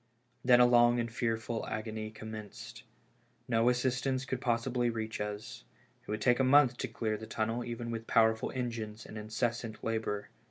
Then a long and fearful agony commenced. No assistance could possibly reach us ; it would take a month to clear the tunnel even with powerful engines and incessant labor.